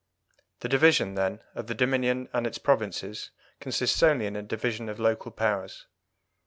The division, then, of the Dominion and its provinces consists only in a division of Local powers.